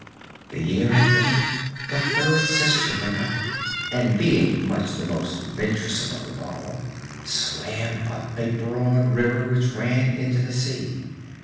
The year after that the third sister went up, and, being much the most venturesome of them all, swam up a broad river which ran into the sea.